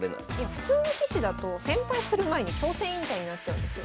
普通の棋士だと１，０００敗する前に強制引退になっちゃうんですよ。